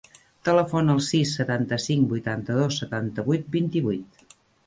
Telefona al sis, setanta-cinc, vuitanta-dos, setanta-vuit, vint-i-vuit.